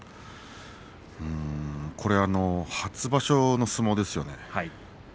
これ、初場所の相撲ですよね。